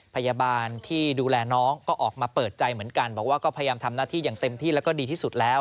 พยาบาลที่ดูแลน้องก็ออกมาเปิดใจเหมือนกันบอกว่าก็พยายามทำหน้าที่อย่างเต็มที่แล้วก็ดีที่สุดแล้ว